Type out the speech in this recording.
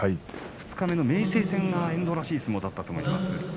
二日目の明生戦が遠藤らしい相撲だったと思います。